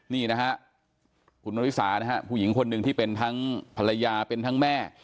นี่นะฮะคุณนริสานะฮะผู้หญิงคนหนึ่งที่เป็นทั้งภรรยาเป็นทั้งแม่